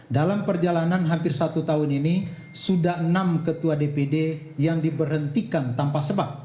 dalam perjalanan hampir satu tahun ini sudah enam ketua dpd yang diberhentikan tanpa sebab